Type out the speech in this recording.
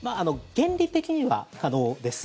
原理的には可能です。